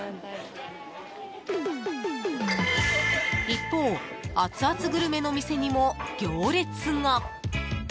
一方、熱々グルメの店にも行列が。